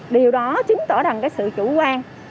điều đó chứng tỏ rằng cái sự chủ quan